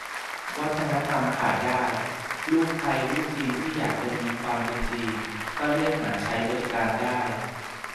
วัฒนธรรมขายได้ : ลูกไทยลูกจีนที่อยากจะมีความเป็นจีน ก็เรียกหาใช้บริการได้